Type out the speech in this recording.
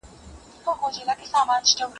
غلام په لوړ غږ وویل چې الله تر هر چا سخي دی.